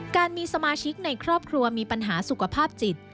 การมีสมาชิกในครอบครัวมีปัญหาสุขภาพจิต